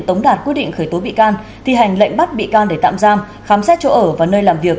tống đạt quyết định khởi tố bị can thi hành lệnh bắt bị can để tạm giam khám xét chỗ ở và nơi làm việc